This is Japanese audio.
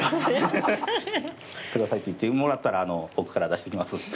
「下さい」って言ってもらったら奥から出してきます。